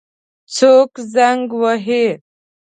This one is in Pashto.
څوک زنګ وهي؟